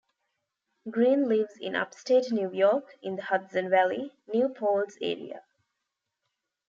Green lives in upstate New York, in the Hudson Valley, New Paltz area.